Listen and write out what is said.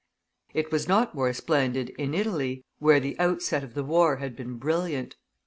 It was not more splendid in Italy, where the outset of the war had been brilliant.